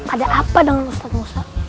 ada apa dengan ustadz musta